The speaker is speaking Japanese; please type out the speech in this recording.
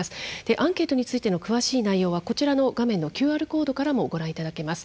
アンケートについての詳しい内容はこちらの画面のＱＲコードからもご覧いただけます。